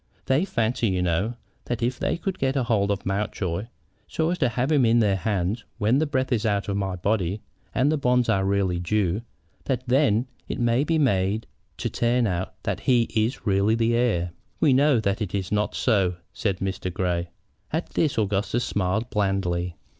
"They fancy, you know, that if they could get a hold of Mountjoy, so as to have him in their hands when the breath is out of my body and the bonds are really due, that then it may be made to turn out that he is really the heir." "We know that it is not so," said Mr. Grey. At this Augustus smiled blandly.